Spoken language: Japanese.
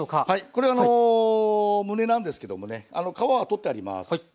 これあのむねなんですけどもね皮は取ってあります。